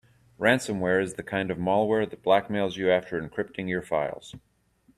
Ransomware is the kind of malware that blackmails you after encrypting your files.